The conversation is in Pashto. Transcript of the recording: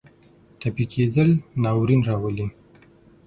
ټپي کېدل ناورین راولي.